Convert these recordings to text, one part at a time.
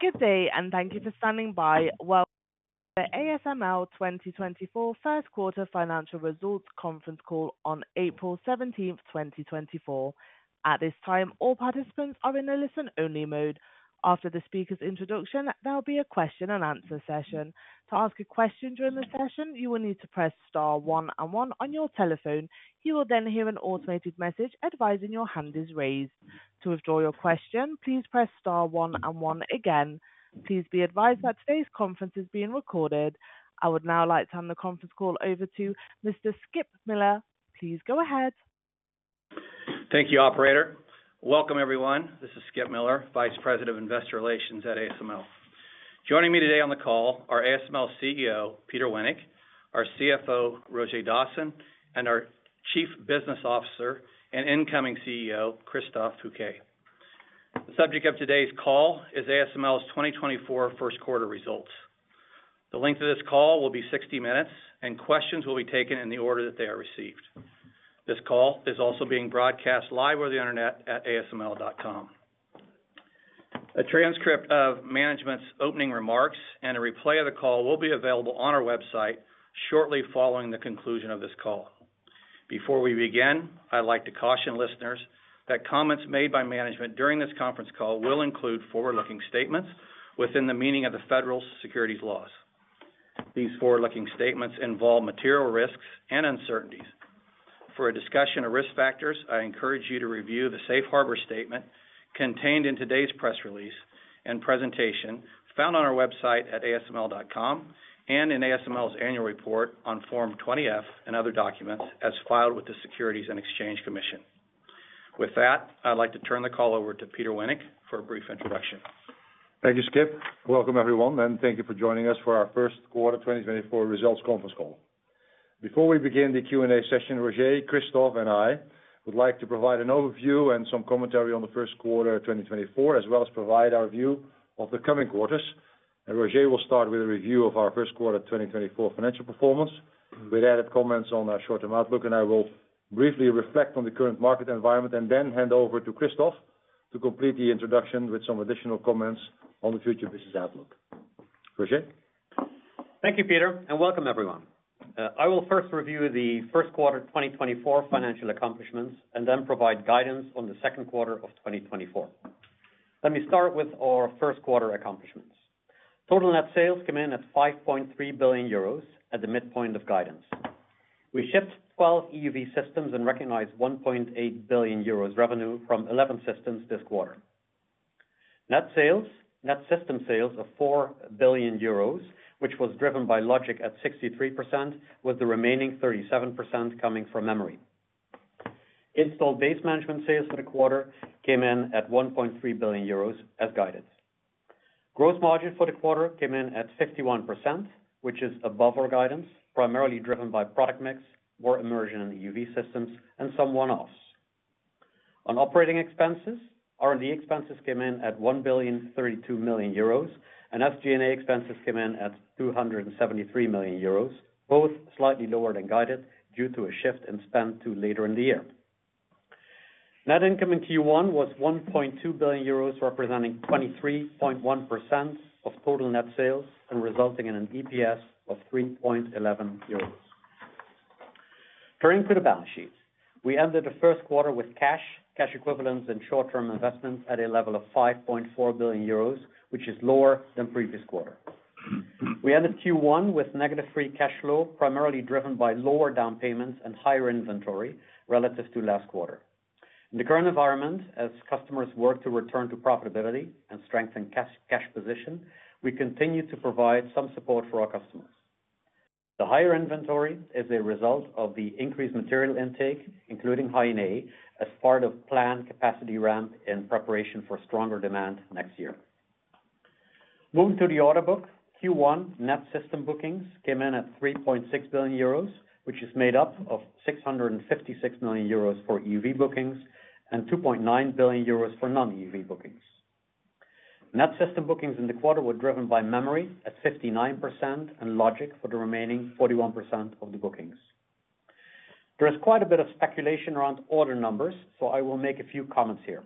Good day, and thank you for standing by. Welcome to the ASML 20241Q financial results conference call on April 17, 2024. At this time, all participants are in a listen-only mode. After the speaker's introduction, there will be a question and answer session. To ask a question during the session, you will need to press star one and one on your telephone. You will then hear an automated message advising your hand is raised. To withdraw your question, please press star one and one again. Please be advised that today's conference is being recorded. I would now like to hand the conference call over to Mr. Skip Miller. Please go ahead. Thank you, operator. Welcome, everyone. This is Skip Miller, Vice President of Investor Relations at ASML. Joining me today on the call are ASML CEO, Peter Wennink, our CFO, Roger Dassen, and our Chief Business Officer and incoming CEO, Christophe Fouquet. The subject of today's call is ASML's 20241Q results. The length of this call will be 60 minutes, and questions will be taken in the order that they are received. This call is also being broadcast live over the internet at asml.com. A transcript of management's opening remarks and a replay of the call will be available on our website shortly following the conclusion of this call. Before we begin, I'd like to caution listeners that comments made by management during this conference call will include forward-looking statements within the meaning of the Federal Securities laws. These forward-looking statements involve material risks and uncertainties. For a discussion of risk factors, I encourage you to review the safe harbor statement contained in today's press release and presentation, found on our website at asml.com, and in ASML's annual report on Form 20-F and other documents as filed with the Securities and Exchange Commission. With that, I'd like to turn the call over to Peter Wennink for a brief introduction. Thank you, Skip. Welcome, everyone, and thank you for joining us for our1Q 2024 results conference call. Before we begin the Q&A session, Roger, Christophe, and I would like to provide an overview and some commentary on the1Q 2024, as well as provide our view of the coming quarters. Roger will start with a review of our1Q 2024 financial performance, with added comments on our short-term outlook, and I will briefly reflect on the current market environment, and then hand over to Christophe to complete the introduction with some additional comments on the future business outlook. Roger? Thank you, Peter, and welcome, everyone. I will first review the1Q 2024 financial accomplishments and then provide guidance on the 2Q of 2024. Let me start with our1Q accomplishments. Total net sales came in at 5.3 billion euros at the midpoint of guidance. We shipped 12 EUV systems and recognized 1.8 billion euros revenue from 11 systems this quarter. Net sales, net system sales of 4 billion euros, which was driven by logic at 63%, with the remaining 37% coming from memory. Installed base management sales for the quarter came in at 1.3 billion euros as guided. Gross margin for the quarter came in at 51%, which is above our guidance, primarily driven by product mix, more immersion and EUV systems and some one-offs. On operating expenses, R&D expenses came in at 1.032 billion, and SG&A expenses came in at 273 million euros, both slightly lower than guided due to a shift in spend to later in the year. Net income in Q1 was 1.2 billion euros, representing 23.1% of total net sales and resulting in an EPS of 3.11 euros. Turning to the balance sheet. We ended the1Q with cash, cash equivalents and short-term investments at a level of 5.4 billion euros, which is lower than previous quarter. We ended Q1 with negative free cash flow, primarily driven by lower down payments and higher inventory relative to last quarter. In the current environment, as customers work to return to profitability and strengthen cash, cash position, we continue to provide some support for our customers. The higher inventory is a result of the increased material intake, including High NA, as part of planned capacity ramp in preparation for stronger demand next year. Moving to the order book, Q1 net system bookings came in at 3.6 billion euros, which is made up of 656 million euros for EUV bookings and 2.9 billion euros for non-EUV bookings. Net system bookings in the quarter were driven by memory at 59% and logic for the remaining 41% of the bookings. There is quite a bit of speculation around order numbers, so I will make a few comments here.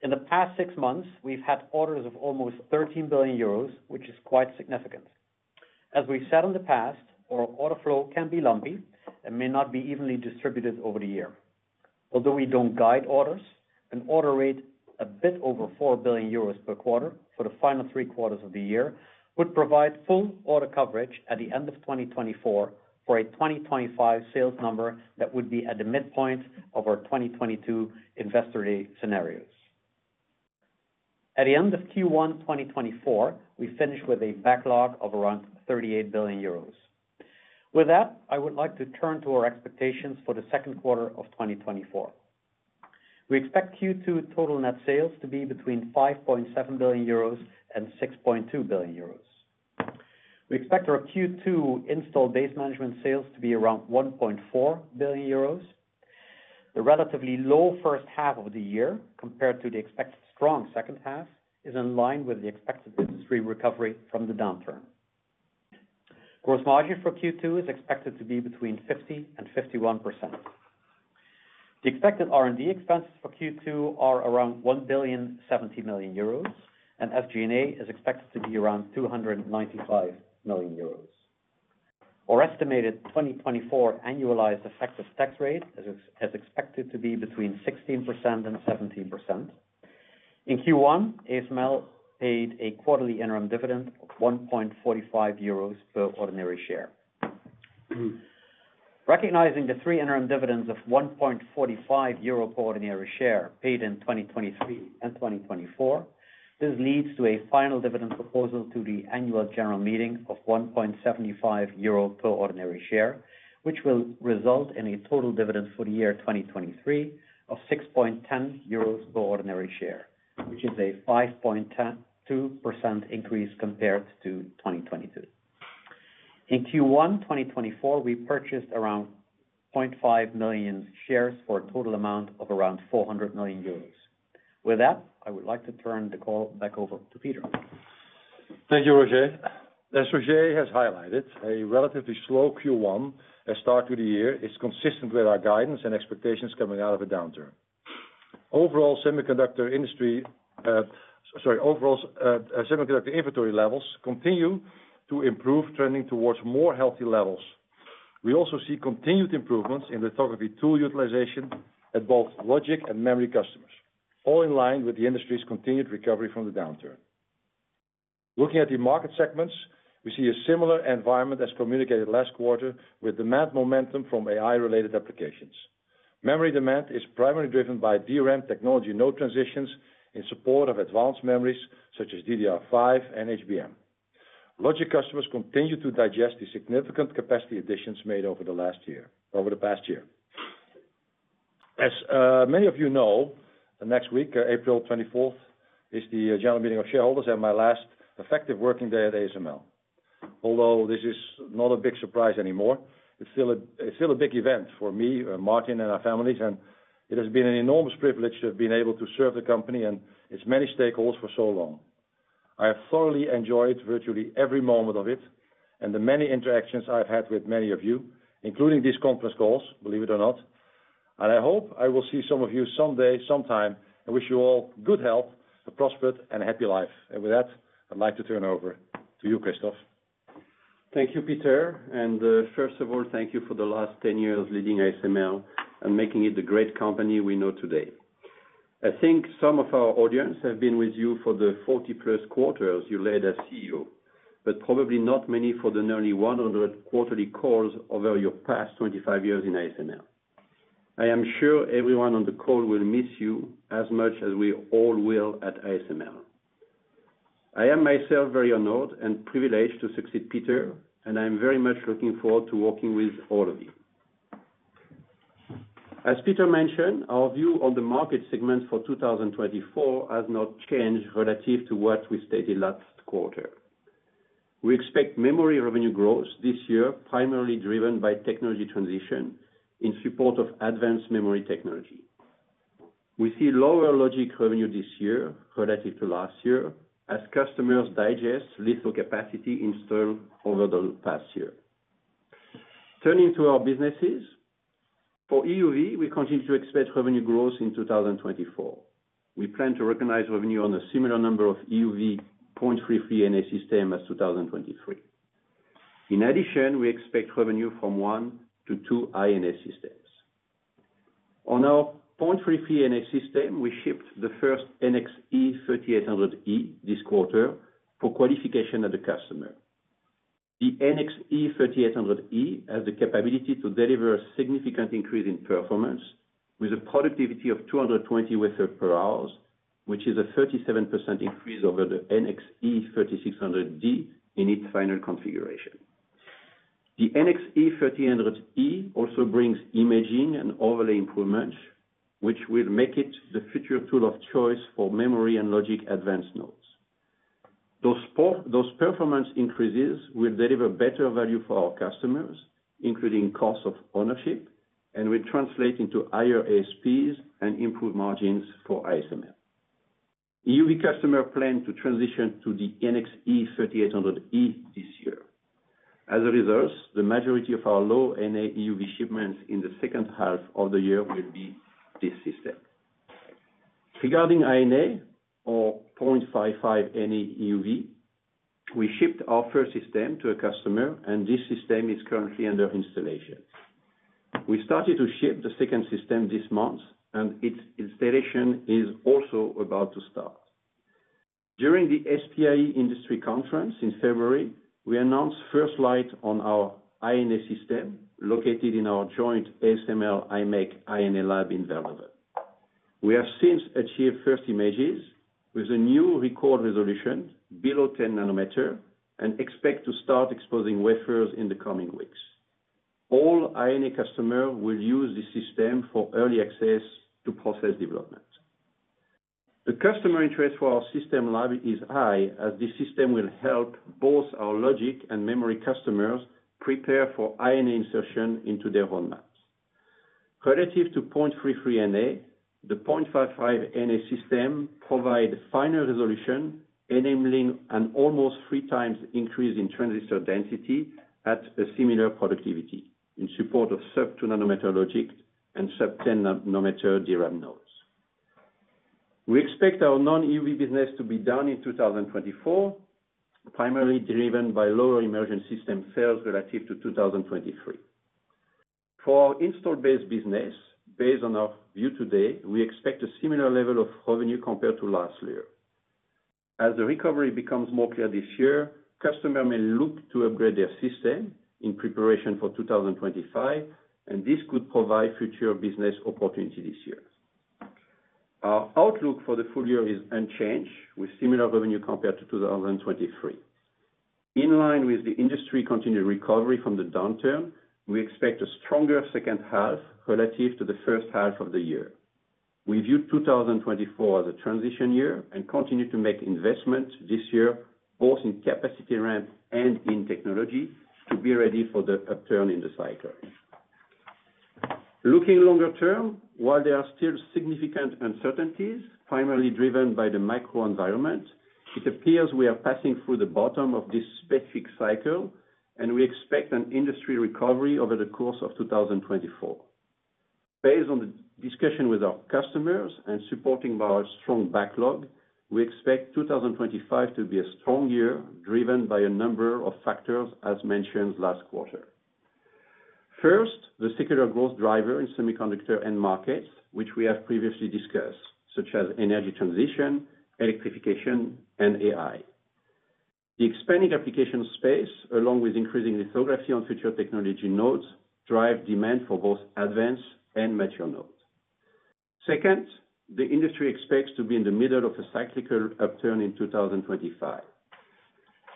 In the past six months, we've had orders of almost 13 billion euros, which is quite significant. As we've said in the past, our order flow can be lumpy and may not be evenly distributed over the year. Although we don't guide orders, an order rate a bit over 4 billion euros per quarter for the final three quarters of the year, would provide full order coverage at the end of 2024 for a 2025 sales number that would be at the midpoint of our 2022 Investor Day scenarios. At the end of Q1 2024, we finished with a backlog of around 38 billion euros. With that, I would like to turn to our expectations for the 2Q of 2024. We expect Q2 total net sales to be between 5.7 billion euros and 6.2 billion euros. We expect our Q2 installed base management sales to be around 1.4 billion euros. The relatively low H1 of the year, compared to the expected strong H2, is in line with the expected industry recovery from the downturn.... Gross margin for Q2 is expected to be between 50% and 51%. The expected R&D expenses for Q2 are around 1.07 billion, and SG&A is expected to be around 295 million euros. Our estimated 2024 annualized effective tax rate is expected to be between 16% and 17%. In Q1, ASML paid a quarterly interim dividend of 1.45 euros per ordinary share. Recognizing the three interim dividends of 1.45 euro per ordinary share, paid in 2023 and 2024, this leads to a final dividend proposal to the annual general meeting of 1.75 euro per ordinary share, which will result in a total dividend for the year 2023 of 6.10 euros per ordinary share, which is a 5.2% increase compared to 2022. In Q1 2024, we purchased around 0.5 million shares for a total amount of around 400 million euros. With that, I would like to turn the call back over to Peter. Thank you, Roger. As Roger has highlighted, a relatively slow Q1, a start to the year, is consistent with our guidance and expectations coming out of a downturn. Overall, semiconductor inventory levels continue to improve, trending towards more healthy levels. We also see continued improvements in lithography tool utilization at both logic and memory customers, all in line with the industry's continued recovery from the downturn. Looking at the market segments, we see a similar environment as communicated last quarter, with demand momentum from AI-related applications. Memory demand is primarily driven by DRAM technology node transitions in support of advanced memories, such as DDR5 and HBM. Logic customers continue to digest the significant capacity additions made over the last year, over the past year. As many of you know, the next week, April 24th, is the general meeting of shareholders and my last effective working day at ASML. Although this is not a big surprise anymore, it's still a, it's still a big event for me, Martin, and our families, and it has been an enormous privilege to have been able to serve the company and its many stakeholders for so long. I have thoroughly enjoyed virtually every moment of it, and the many interactions I've had with many of you, including these conference calls, believe it or not, and I hope I will see some of you someday, sometime. I wish you all good health, a prosperous and happy life. And with that, I'd like to turn over to you, Christophe. Thank you, Peter, and, first of all, thank you for the last 10 years leading ASML and making it the great company we know today. I think some of our audience have been with you for the 40-plus quarters you led as CEO, but probably not many for the nearly 100 quarterly calls over your past 25 years in ASML. I am sure everyone on the call will miss you as much as we all will at ASML. I am myself very honored and privileged to succeed Peter, and I am very much looking forward to working with all of you. As Peter mentioned, our view on the market segment for 2024 has not changed relative to what we stated last quarter. We expect memory revenue growth this year, primarily driven by technology transition in support of advanced memory technology. We see lower logic revenue this year relative to last year, as customers digest legacy capacity installed over the past year. Turning to our businesses, for EUV, we continue to expect revenue growth in 2024. We plan to recognize revenue on a similar number of EUV 0.33 NA systems as 2023. In addition, we expect revenue from 1-2 High NA systems. On our 0.33 NA systems, we shipped the first NXE:3800E this quarter for qualification of the customer. The NXE:3800E has the capability to deliver a significant increase in performance with a productivity of 220 wafers per hour, which is a 37% increase over the NXE:3600D in its final configuration. The NXE:3800E also brings imaging and overlay improvements, which will make it the future tool of choice for memory and logic advanced nodes. Those performance increases will deliver better value for our customers, including cost of ownership, and will translate into higher ASPs and improved margins for ASML. EUV customers plan to transition to the NXE:3800E this year. As a result, the majority of our Low NA EUV shipments in the H2 of the year will be this system. Regarding High NA, or 0.55 NA EUV, we shipped our first system to a customer, and this system is currently under installation. We started to ship the second system this month, and its installation is also about to start. During the SPIE Industry Conference in February, we announced first light on our High NA system, located in our joint ASML-Imec High NA lab in Veldhoven. We have since achieved first images with a new record resolution below 10 nm and expect to start exposing wafers in the coming weeks. All High NA customers will use the system for early access to process development. The customer interest for our system lab is high, as the system will help both our logic and memory customers prepare for High NA insertion into their roadmap. Relative to 0.33 NA, the 0.55 NA system provides finer resolution, enabling an almost three times increase in transistor density at a similar productivity in support of sub-2 nm logic and sub-10 nm DRAM nodes. We expect our non-EUV business to be down in 2024, primarily driven by lower immersion system sales relative to 2023. For our installed-base business, based on our view today, we expect a similar level of revenue compared to last year. As the recovery becomes more clear this year, customers may look to upgrade their systems in preparation for 2025, and this could provide future business opportunity this year. Our outlook for the full year is unchanged, with similar revenue compared to 2023. In line with the industry continued recovery from the downturn, we expect a stronger H2 relative to the H1 of the year. We view 2024 as a transition year and continue to make investments this year, both in capacity ramp and in technology, to be ready for the upturn in the cycle. Looking longer term, while there are still significant uncertainties, primarily driven by the macro environment, it appears we are passing through the bottom of this specific cycle, and we expect an industry recovery over the course of 2024. Based on the discussion with our customers and supporting by our strong backlog, we expect 2025 to be a strong year, driven by a number of factors, as mentioned last quarter. First, the secular growth driver in semiconductor end markets, which we have previously discussed, such as energy transition, electrification, and AI. The expanding application space, along with increasing lithography on future technology nodes, drive demand for both advanced and mature nodes. Second, the industry expects to be in the middle of a cyclical upturn in 2025.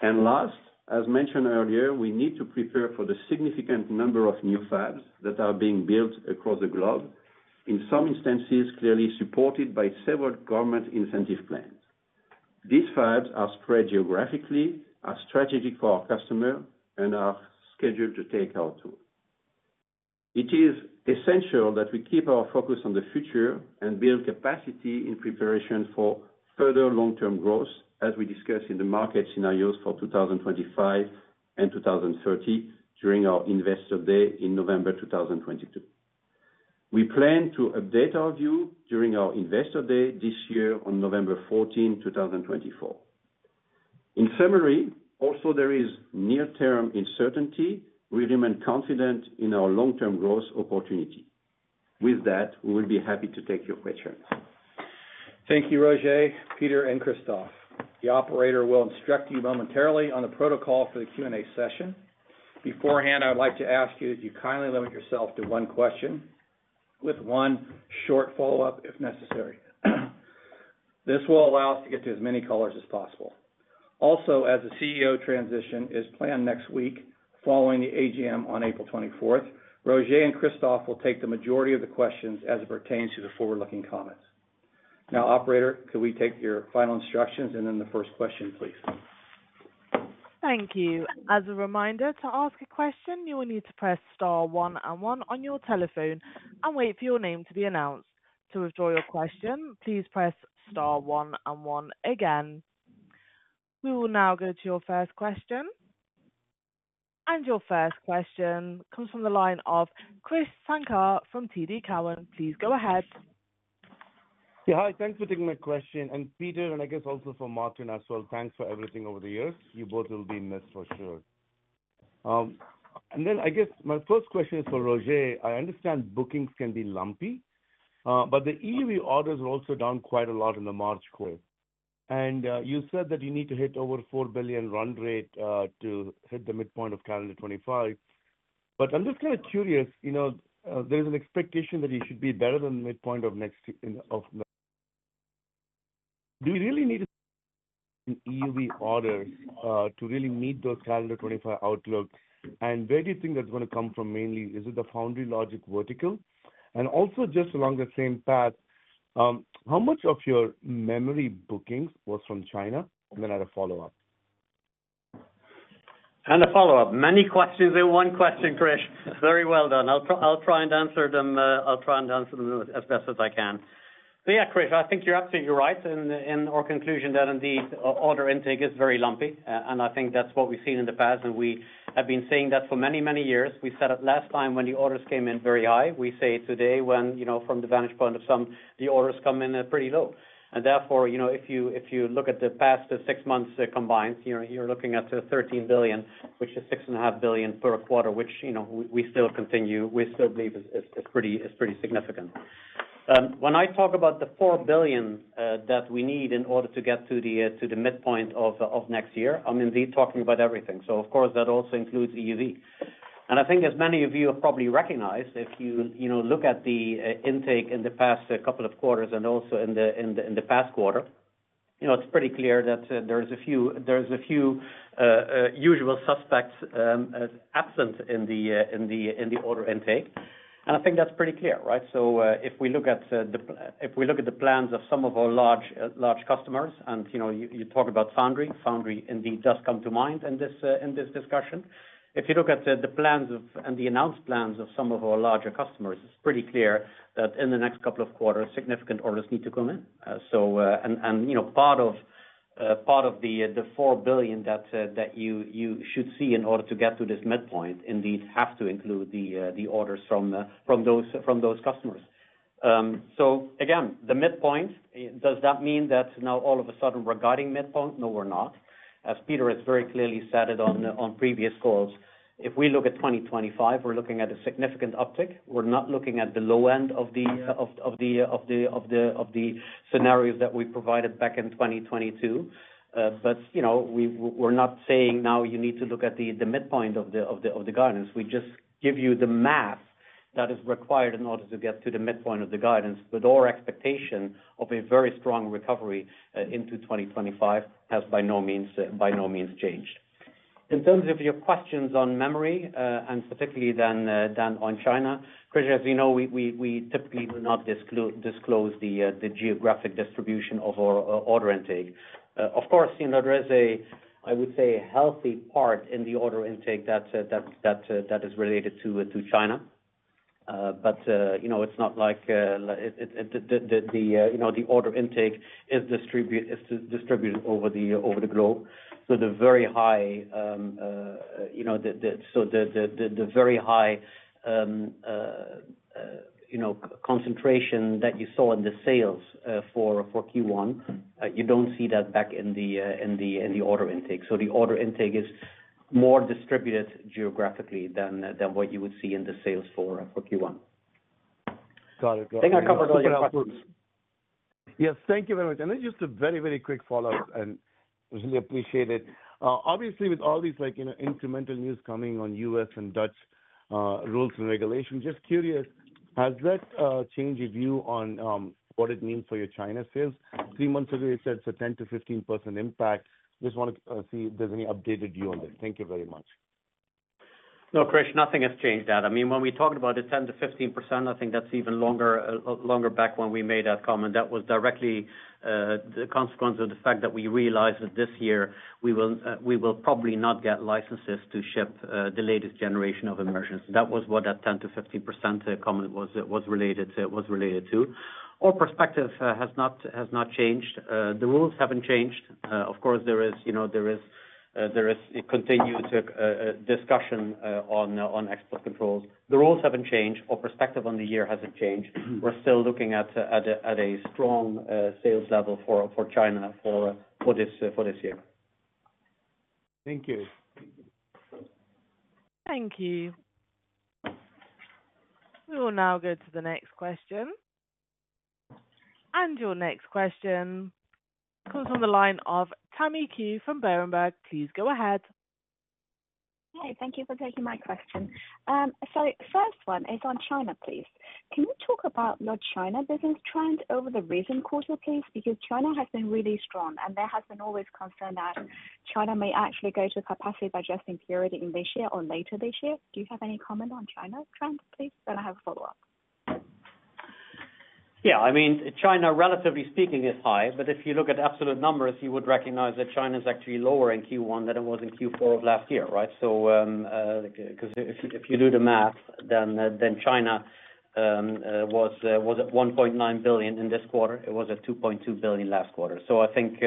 And last, as mentioned earlier, we need to prepare for the significant number of new fabs that are being built across the globe, in some instances, clearly supported by several government incentive plans. These fabs are spread geographically, are strategic for our customer, and are scheduled to take our tool. It is essential that we keep our focus on the future and build capacity in preparation for further long-term growth, as we discussed in the market scenarios for 2025 and 2030 during our Investor Day in November 2022. We plan to update our view during our Investor Day this year on November 14, 2024. In summary, also, there is near-term uncertainty. We remain confident in our long-term growth opportunity. With that, we will be happy to take your questions. Thank you, Roger, Peter, and Christophe. The operator will instruct you momentarily on the protocol for the Q&A session. Beforehand, I would like to ask you that you kindly limit yourself to one question, with one short follow-up, if necessary. This will allow us to get to as many callers as possible. Also, as the CEO transition is planned next week, following the AGM on April 24, Roger and Christophe will take the majority of the questions as it pertains to the forward-looking comments. Now, operator, could we take your final instructions and then the first question, please? Thank you. As a reminder, to ask a question, you will need to press star one and one on your telephone and wait for your name to be announced. To withdraw your question, please press star one and one again. We will now go to your first question. And your first question comes from the line of Krish Sankar from TD Cowen. Please go ahead. Yeah, hi. Thanks for taking my question. And Peter, and I guess also for Martin as well, thanks for everything over the years. You both will be missed for sure. And then I guess my first question is for Roger. I understand bookings can be lumpy, but the EUV orders are also down quite a lot in the March quarter. And, you said that you need to hit over 4 billion run rate, to hit the midpoint of calendar 2025. But I'm just kind of curious, you know, there is an expectation that you should be better than the midpoint of next, in, of- Do you really need an EUV order, to really meet those calendar 2025 outlook? And where do you think that's gonna come from mainly? Is it the foundry logic vertical? And also, just along the same path, how much of your memory bookings was from China? And then I had a follow-up. A follow-up. Many questions in one question, Chris. Very well done. I'll try, I'll try and answer them, I'll try and answer them as best as I can. So yeah, Chris, I think you're absolutely right in our conclusion that indeed, order intake is very lumpy. And I think that's what we've seen in the past, and we have been saying that for many, many years. We said it last time when the orders came in very high. We say it today when, you know, from the vantage point of some, the orders come in pretty low. Therefore, you know, if you look at the past six months combined, you know, you're looking at 13 billion, which is 6.5 billion per quarter, which, you know, we still continue, we still believe is pretty significant. When I talk about the 4 billion that we need in order to get to the midpoint of next year, I'm indeed talking about everything. So of course, that also includes EUV. I think as many of you have probably recognized, if you know look at the intake in the past couple of quarters and also in the past quarter, you know, it's pretty clear that there's a few usual suspects absent in the order intake, and I think that's pretty clear, right? So, if we look at the plans of some of our large customers, and you know you talk about foundry, foundry indeed does come to mind in this discussion. ...If you look at the plans of and the announced plans of some of our larger customers, it's pretty clear that in the next couple of quarters, significant orders need to come in. You know, part of the 4 billion that you should see in order to get to this midpoint, indeed have to include the orders from those customers. Again, the midpoint, does that mean that now all of a sudden we're guiding midpoint? No, we're not. As Peter has very clearly said it on previous calls, if we look at 2025, we're looking at a significant uptick. We're not looking at the low end of the scenarios that we provided back in 2022. But, you know, we're not saying now you need to look at the midpoint of the guidance. We just give you the math that is required in order to get to the midpoint of the guidance, but our expectation of a very strong recovery into 2025 has by no means, by no means changed. In terms of your questions on memory, and specifically then on China. Krish, as you know, we typically do not disclose the geographic distribution of our order intake. Of course, you know, there is a, I would say, a healthy part in the order intake that is related to China. But you know, it's not like the order intake is distributed over the globe. So the very high concentration that you saw in the sales for Q1, you don't see that back in the order intake. So the order intake is more distributed geographically than what you would see in the sales for Q1. Got it. Got it. I think I covered all your questions. Yes, thank you very much. And then just a very, very quick follow-up, and really appreciate it. Obviously, with all these, like, you know, incremental news coming on U.S. and Dutch rules and regulations, just curious, has that changed your view on what it means for your China sales? Three months ago, you said it's a 10%-15% impact. Just want to see if there's any updated view on this. Thank you very much. No, Krish, nothing has changed that. I mean, when we talked about the 10%-15%, I think that's even longer back when we made that comment. That was directly the consequence of the fact that we realized that this year we will probably not get licenses to ship the latest generation of Immersion. That was what that 10%-15% comment was related to, was related to. Our perspective has not changed. The rules haven't changed. Of course, there is, you know, there is a continued discussion on export controls. The rules haven't changed or perspective on the year hasn't changed. We're still looking at a strong sales level for China for this year. Thank you. Thank you. We will now go to the next question. Your next question comes on the line of Tammy Qiu from Berenberg. Please go ahead. Hi, thank you for taking my question. First one is on China, please. Can you talk about your China business trend over the recent quarter, please? Because China has been really strong, and there has been always concern that China may actually go to a capacity digesting period in this year or later this year. Do you have any comment on China trends, please? I have a follow-up. Yeah, I mean, China, relatively speaking, is high, but if you look at absolute numbers, you would recognize that China is actually lower in Q1 than it was in Q4 of last year, right? So, 'cause if you do the math, then China was at 1.9 billion in this quarter. It was at 2.2 billion last quarter. So I think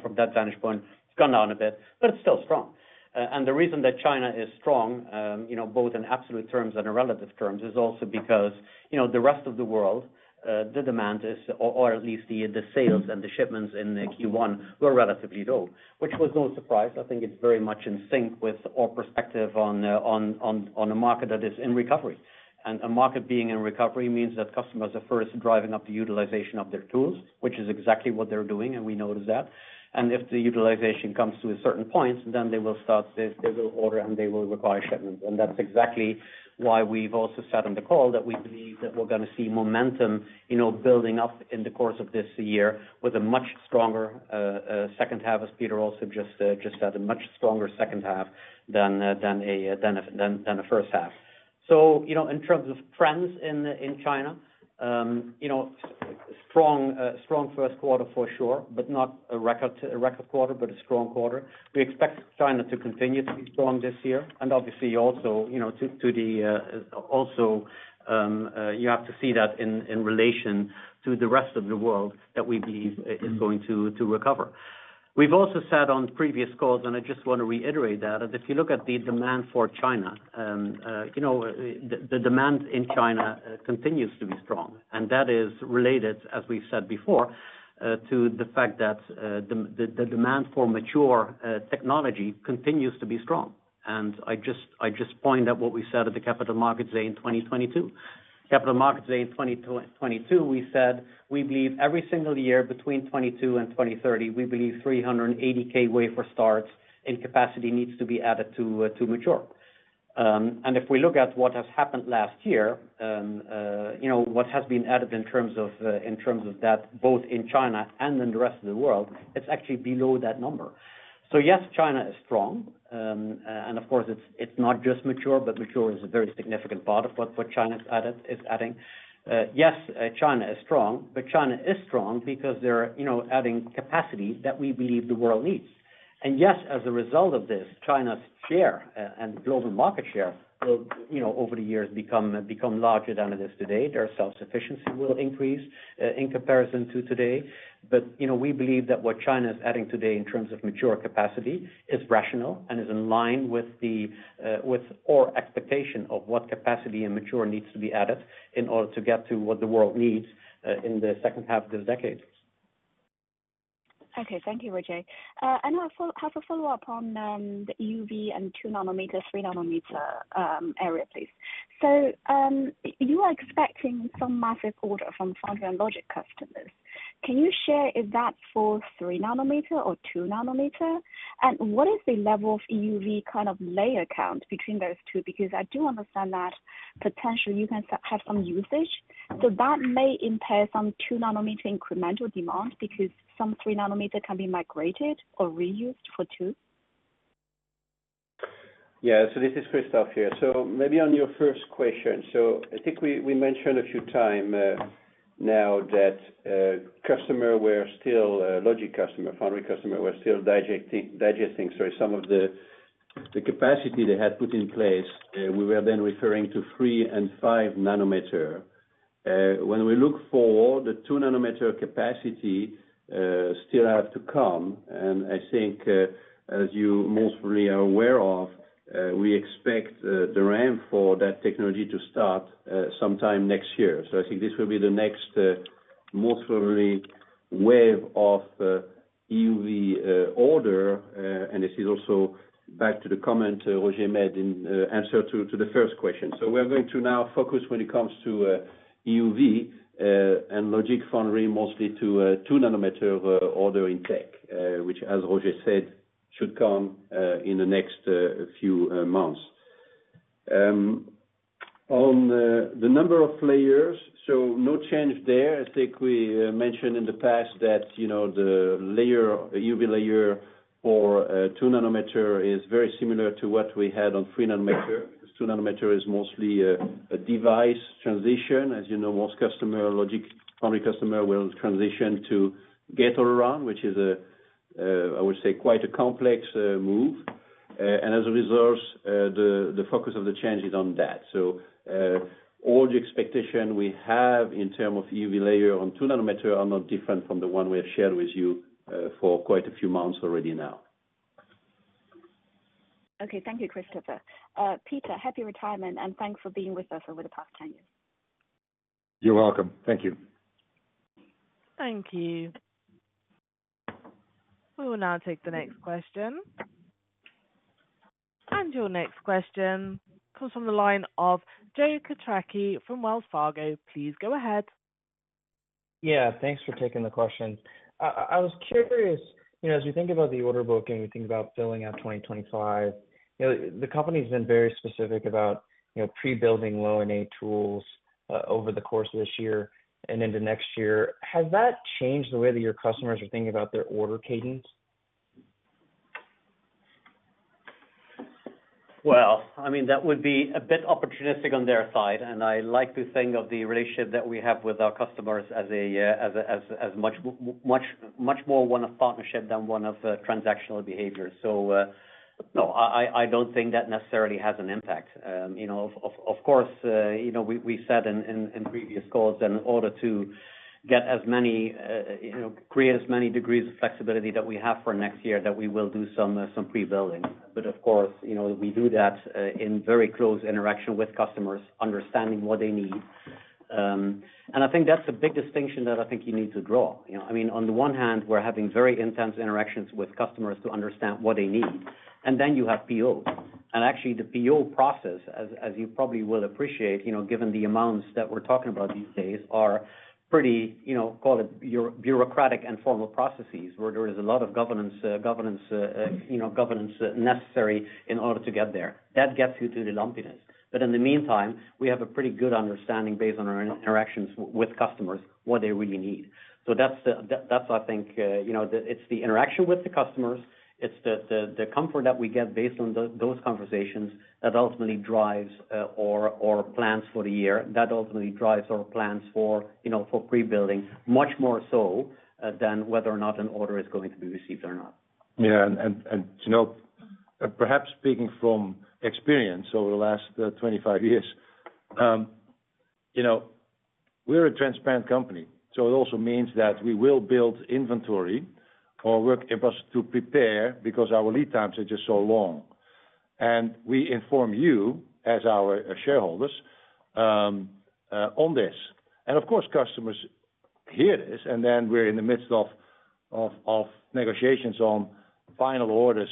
from that vantage point, it's gone down a bit, but it's still strong. And the reason that China is strong, you know, both in absolute terms and in relative terms, is also because, you know, the rest of the world, the demand is, or at least the sales and the shipments in Q1 were relatively low, which was no surprise. I think it's very much in sync with our perspective on a market that is in recovery. And a market being in recovery means that customers are first driving up the utilization of their tools, which is exactly what they're doing, and we notice that. And if the utilization comes to a certain point, then they will order, and they will require shipments. And that's exactly why we've also said on the call that we believe that we're gonna see momentum, you know, building up in the course of this year with a much stronger H2, as Peter also just said, a much stronger H2 than the H1. So, you know, in terms of trends in China, you know, strong, strong1Q for sure, but not a record, a record quarter, but a strong quarter. We expect China to continue to be strong this year, and obviously also, you know, to the also, you have to see that in relation to the rest of the world that we believe is going to recover. We've also said on previous calls, and I just want to reiterate that, that if you look at the demand for China, you know, the demand in China continues to be strong, and that is related, as we've said before, to the fact that the demand for mature technology continues to be strong. I just point out what we said at the Capital Markets Day in 2022. Capital Markets Day in 2022, we said we believe every single year between 2022 and 2030, we believe 380K wafer starts and capacity needs to be added to mature. And if we look at what has happened last year, you know, what has been added in terms of that, both in China and in the rest of the world, it's actually below that number. So yes, China is strong. And of course, it's not just mature, but mature is a very significant part of what China is adding. Yes, China is strong, but China is strong because they're, you know, adding capacity that we believe the world needs... And yes, as a result of this, China's share and global market share will, you know, over the years, become, become larger than it is today. Their self-sufficiency will increase in comparison to today. But, you know, we believe that what China is adding today in terms of mature capacity is rational and is in line with our expectation of what capacity and mature needs to be added in order to get to what the world needs in the H2 of the decade. Okay, thank you, Roger. And also, I have a follow-up on the EUV and 2 nm, 3 nm area, please. So, you are expecting some massive order from Foundry and Logic customers. Can you share is that for 3 nm or 2 nm? And what is the level of EUV kind of layer count between those two? Because I do understand that potentially you can have some usage, so that may impair some 2 nm incremental demand because some 3 nm can be migrated or reused for two. Yeah. So this is Christophe here. So maybe on your first question: So I think we, we mentioned a few times now that customers were still logic customers, foundry customers, were still digesting, digesting, sorry, some of the capacity they had put in place. We were then referring to 3 and 5 nanometer. When we look for the 2 nanometer capacity still have to come, and I think as you mostly are aware of we expect the ramp for that technology to start sometime next year. So I think this will be the next most probably wave of EUV orders and this is also back to the comment Roger made in answer to the first question. So we're going to now focus when it comes to EUV and Logic Foundry, mostly to 2 nanometer order intake, which, as Roger said, should come in the next few months. On the number of layers, so no change there. I think we mentioned in the past that, you know, the layer, the EUV layer for 2 nanometer is very similar to what we had on 3 nanometer. 'Cause 2 nanometer is mostly a device transition. As you know, most customer Logic Foundry customer will transition to Gate-All-Around, which is a I would say quite a complex move. And as a result, the focus of the change is on that. All the expectations we have in terms of EUV layers on 2-nm are not different from the ones we have shared with you for quite a few months already now. Okay. Thank you, Christophe. Peter, happy retirement, and thanks for being with us over the past 10 years. You're welcome. Thank you. Thank you. We will now take the next question. And your next question comes from the line of Joe Quatrochi from Wells Fargo. Please go ahead. Yeah, thanks for taking the question. I was curious, you know, as we think about the order booking, we think about filling out 2025, you know, the company's been very specific about, you know, pre-building low NA tools over the course of this year and into next year. Has that changed the way that your customers are thinking about their order cadence? Well, I mean, that would be a bit opportunistic on their side, and I like to think of the relationship that we have with our customers as a much more one of partnership than one of transactional behavior. So, no, I don't think that necessarily has an impact. You know, of course, you know, we said in previous calls that in order to create as many degrees of flexibility that we have for next year, that we will do some pre-building. But of course, we do that in very close interaction with customers, understanding what they need. And I think that's a big distinction that I think you need to draw. You know, I mean, on the one hand, we're having very intense interactions with customers to understand what they need, and then you have POs. And actually, the PO process, as you probably will appreciate, you know, given the amounts that we're talking about these days, are pretty, you know, call it bureaucratic and formal processes, where there is a lot of governance necessary in order to get there. That gets you to the lumpiness. But in the meantime, we have a pretty good understanding based on our interactions with customers, what they really need. So that's, I think, you know, it's the interaction with the customers, it's the comfort that we get based on those conversations that ultimately drives our plans for the year, that ultimately drives our plans for, you know, for pre-building, much more so than whether or not an order is going to be received or not. Yeah, and you know, perhaps speaking from experience over the last 25 years, you know, we're a transparent company, so it also means that we will build inventory or work with us to prepare, because our lead times are just so long. And we inform you, as our shareholders, on this. And of course, customers hear this, and then we're in the midst of negotiations on final orders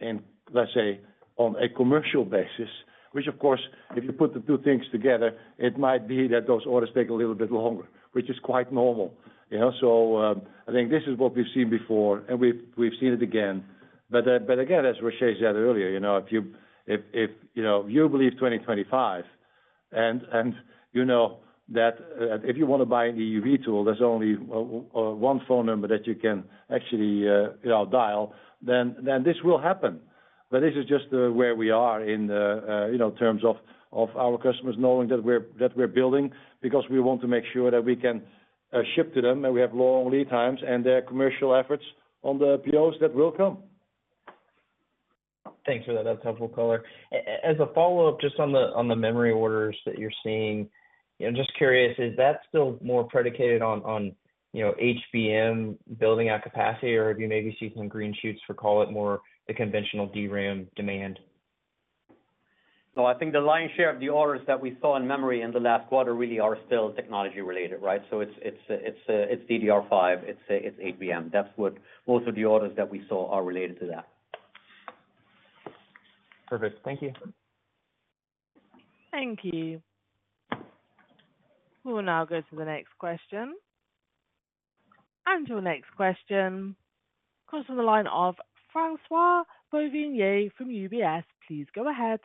and, let's say, on a commercial basis, which of course, if you put the two things together, it might be that those orders take a little bit longer, which is quite normal, you know? So, I think this is what we've seen before, and we've seen it again. But again, as Roger said earlier, you know, if you believe 2025, and you know that if you want to buy an EUV tool, there's only one phone number that you can actually you know dial, then this will happen.... But this is just where we are in the, you know, terms of our customers knowing that we're, that we're building, because we want to make sure that we can ship to them, and we have long lead times, and there are commercial efforts on the POs that will come. Thanks for that, that helpful color. As a follow-up, just on the memory orders that you're seeing, I'm just curious, is that still more predicated on, you know, HBM building out capacity, or are you maybe seeing some green shoots for, call it, more the conventional DRAM demand? No, I think the lion's share of the orders that we saw in memory in the last quarter really are still technology-related, right? So it's DDR5, it's HBM. That's what most of the orders that we saw are related to that. Perfect. Thank you. Thank you. We will now go to the next question. Your next question comes from the line of Francois-Xavier Bouvignies from UBS. Please go ahead.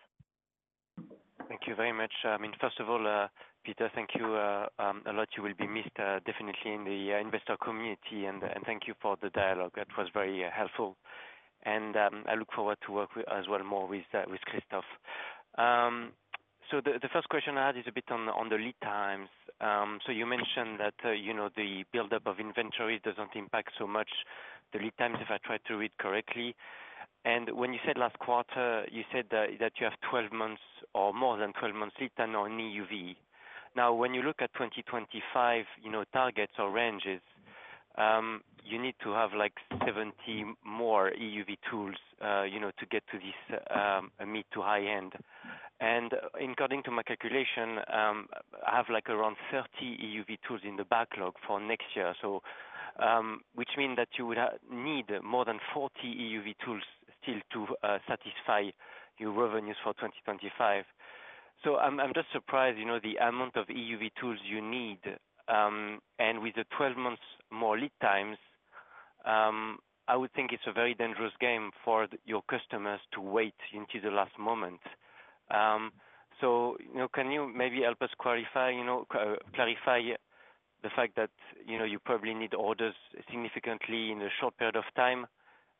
Thank you very much. I mean, first of all, Peter, thank you a lot. You will be missed, definitely in the investor community, and thank you for the dialogue. That was very helpful. And I look forward to work with... as well more with Christophe. So the first question I had is a bit on the lead times. So you mentioned that, you know, the buildup of inventory doesn't impact so much the lead times, if I tried to read correctly. And when you said last quarter, you said that you have 12 months or more than 12 months lead time on EUV. Now, when you look at 2025, you know, targets or ranges, you need to have, like, 70 more EUV tools, you know, to get to this, mid to high end. And according to my calculation, I have, like, around 30 EUV tools in the backlog for next year, so, which mean that you would need more than 40 EUV tools still to satisfy your revenues for 2025. So I'm, I'm just surprised, you know, the amount of EUV tools you need, and with the 12 months more lead times, I would think it's a very dangerous game for your customers to wait until the last moment. So, you know, can you maybe help us clarify, you know, clarify the fact that, you know, you probably need orders significantly in a short period of time,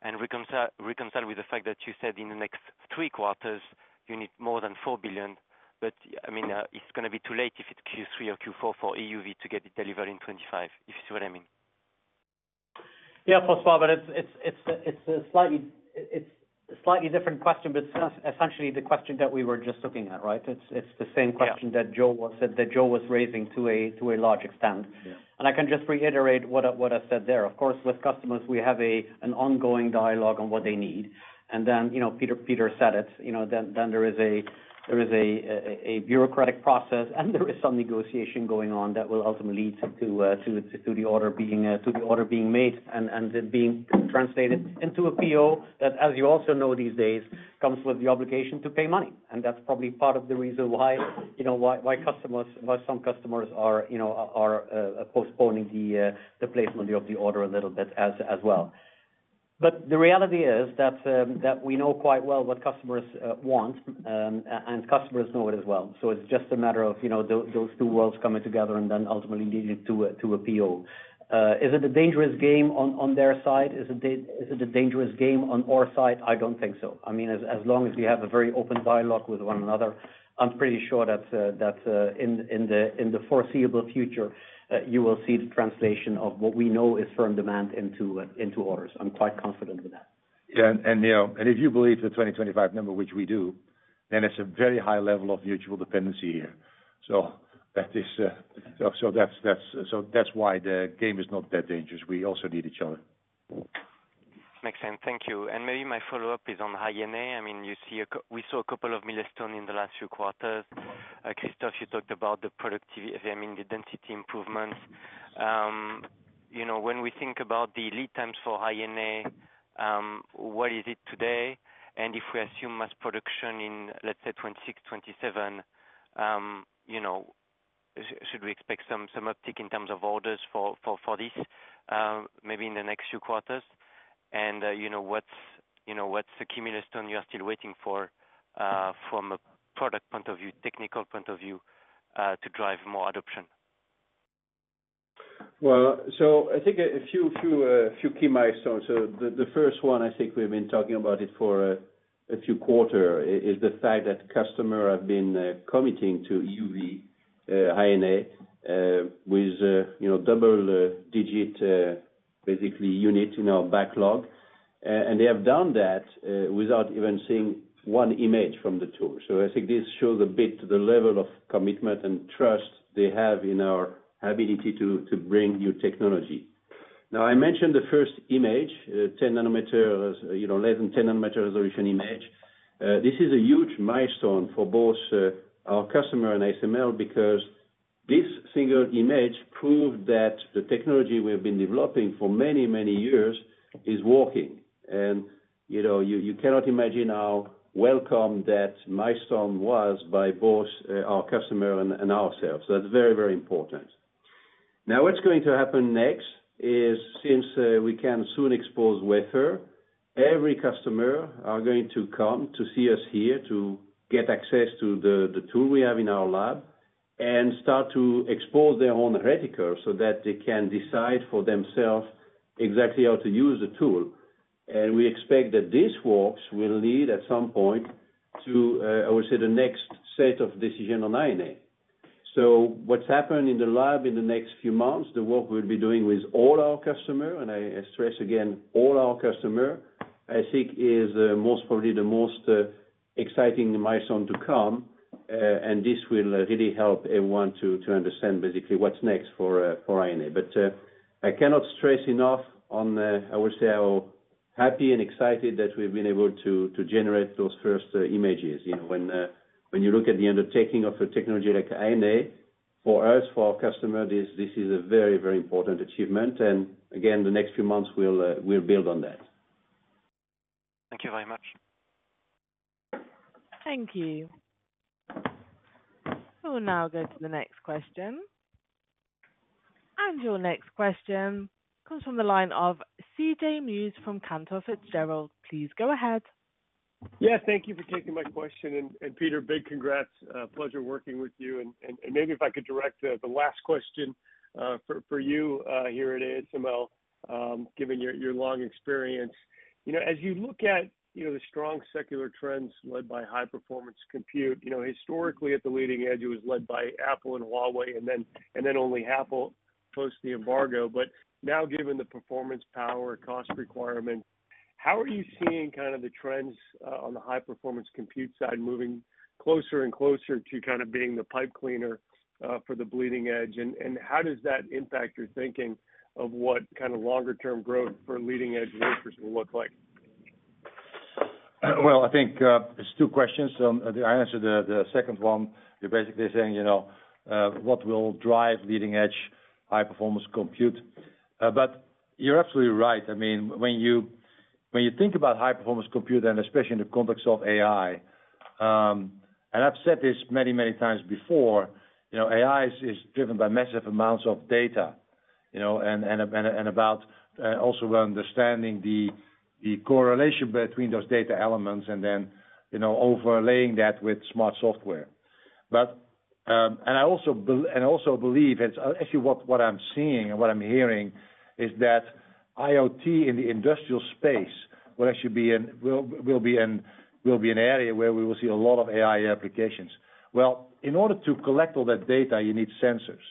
and reconcile with the fact that you said in the next 3 quarters, you need more than 4 billion? I mean, it's gonna be too late if it's Q3 or Q4 for EUV to get it delivered in 2025, if you see what I mean. Yeah, François, but it's a slightly different question, but it's essentially the question that we were just looking at, right? It's the same question- Yeah... that Joe was raising to a large extent. Yeah. I can just reiterate what I said there. Of course, with customers, we have an ongoing dialogue on what they need. And then, you know, Peter said it, you know, then there is a bureaucratic process, and there is some negotiation going on that will ultimately lead to the order being made, and then being translated into a PO, that, as you also know, these days, comes with the obligation to pay money. And that's probably part of the reason why, you know, why customers, why some customers are, you know, are postponing the placement of the order a little bit as well. But the reality is that we know quite well what customers want, and customers know it as well. So it's just a matter of, you know, those two worlds coming together and then ultimately leading to a PO. Is it a dangerous game on their side? Is it a dangerous game on our side? I don't think so. I mean, as long as we have a very open dialogue with one another, I'm pretty sure that in the foreseeable future, you will see the translation of what we know is firm demand into orders. I'm quite confident with that. Yeah, and you know, if you believe the 2025 number, which we do, then it's a very high level of mutual dependency here. So that's why the game is not that dangerous. We also need each other. Makes sense. Thank you. Maybe my follow-up is on High NA. I mean, we saw a couple of milestone in the last few quarters. Christophee, you talked about the productivity, I mean, the density improvements. You know, when we think about the lead times for High NA, what is it today? And if we assume mass production in, let's say, 2026, 2027, you know, should we expect some uptick in terms of orders for this maybe in the next few quarters? And you know, what's the key milestone you are still waiting for from a product point of view, technical point of view, to drive more adoption? Well, so I think a few key milestones. So the first one, I think we've been talking about it for a few quarters is the fact that customers have been committing to EUV high NA with you know double digit basically units in our backlog. And they have done that without even seeing one image from the tool. So I think this shows a bit the level of commitment and trust they have in our ability to bring new technology. Now, I mentioned the first image 10 nanometers, you know, less than 10-nanometer resolution image. This is a huge milestone for both our customers and ASML, because this single image proved that the technology we have been developing for many, many years is working. You know, you cannot imagine how welcome that milestone was by both our customer and ourselves. So that's very, very important. Now, what's going to happen next is, since we can soon expose wafer, every customer are going to come to see us here to get access to the tool we have in our lab. ... and start to expose their own reticle so that they can decide for themselves exactly how to use the tool. And we expect that these works will lead, at some point, to, I would say, the next set of decision on NA. So what's happened in the lab in the next few months, the work we'll be doing with all our customer, and I, I stress again, all our customer, I think is, most probably the most, exciting milestone to come. And this will really help everyone to, to understand basically what's next for, for NA. But, I cannot stress enough on, I would say, how happy and excited that we've been able to, to generate those first, images. You know, when you look at the undertaking of a technology like NA, for us, for our customer, this, this is a very, very important achievement, and again, the next few months, we'll build on that. Thank you very much. Thank you. We'll now go to the next question. Your next question comes from the line of CJ Muse from Cantor Fitzgerald. Please go ahead. Yeah, thank you for taking my question, and Peter, big congrats, pleasure working with you. And maybe if I could direct the last question for you here at ASML, given your long experience. You know, as you look at, you know, the strong secular trends led by high performance compute, you know, historically, at the leading edge, it was led by Apple and Huawei, and then only Apple post the embargo. But now, given the performance, power, cost requirement, how are you seeing kind of the trends on the high performance compute side moving closer and closer to kind of being the pipe cleaner for the bleeding edge? And how does that impact your thinking of what kind of longer term growth for leading edge wafers will look like? Well, I think, it's two questions. I answer the second one. You're basically saying, you know, what will drive leading edge high performance compute? But you're absolutely right. I mean, when you, when you think about high performance compute, and especially in the context of AI, and I've said this many, many times before, you know, AI is, is driven by massive amounts of data, you know, and, and, and about also understanding the correlation between those data elements and then, you know, overlaying that with smart software. But, and I also believe, it's actually what I'm seeing and what I'm hearing, is that IoT in the industrial space, will actually be an area where we will see a lot of AI applications. Well, in order to collect all that data, you need sensors,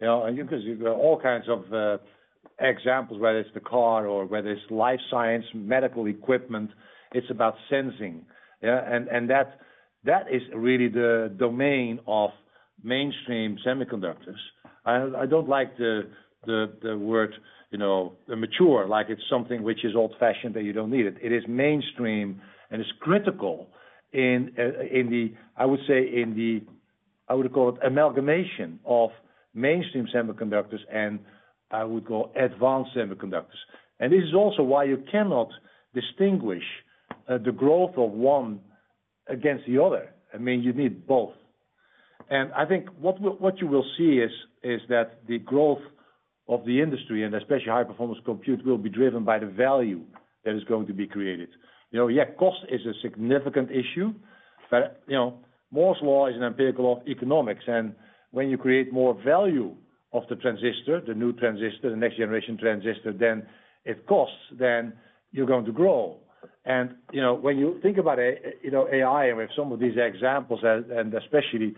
you know? And you can see there are all kinds of examples, whether it's the car or whether it's life science, medical equipment, it's about sensing, yeah? And that is really the domain of mainstream semiconductors. I don't like the word, you know, mature, like it's something which is old-fashioned, that you don't need it. It is mainstream, and it's critical in the... I would say, in the, I would call it, amalgamation of mainstream semiconductors, and I would call advanced semiconductors. And this is also why you cannot distinguish the growth of one against the other. I mean, you need both. I think what you will see is that the growth of the industry, and especially high performance compute, will be driven by the value that is going to be created. You know, yeah, cost is a significant issue, but, you know, Moore's Law is an empirical of economics, and when you create more value of the transistor, the new transistor, the next generation transistor, then it costs, then you're going to grow. And, you know, when you think about it, you know, AI and with some of these examples, and, and especially